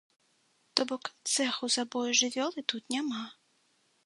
То бок, цэху забою жывёлы тут няма.